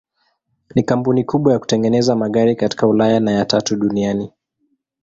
Ni kampuni kubwa ya kutengeneza magari katika Ulaya na ya tatu duniani.